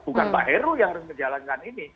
bukan pak heru yang harus menjalankan ini